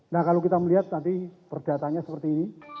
nah kalau kita melihat nanti perdatanya seperti ini